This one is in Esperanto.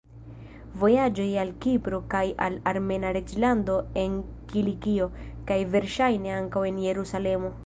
Vojaĝoj al Kipro kaj al Armena reĝlando en Kilikio, kaj verŝajne ankaŭ al Jerusalemo.